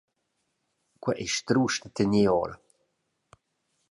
Quei ei strusch da tener ora.